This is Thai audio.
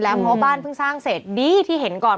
เพราะว่าบ้านเพิ่งสร้างเสร็จดีที่เห็นก่อน